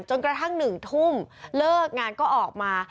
จนกระทั่งหนึ่งทุ่มเลิกงานก็ออกมา